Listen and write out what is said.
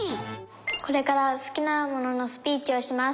「これから好きなもののスピーチをします。